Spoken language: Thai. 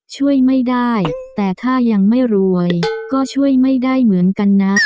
ช่วยไม่ได้แต่ถ้ายังไม่รวยก็ช่วยไม่ได้เหมือนกันนะ